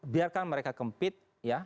biarkan mereka kempit ya